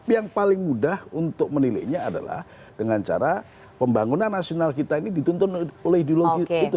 yang paling mudah untuk menilainya adalah dengan cara pembangunan nasional kita ini dituntun ulang